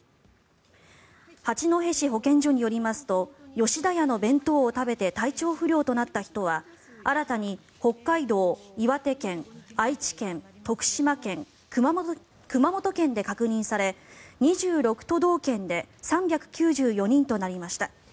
八戸市保健所によりますと吉田屋の弁当を食べて体調不良となった人は新たに北海道、岩手県、愛知県徳島県、熊本県で確認され２６都道県で３９４人となりました。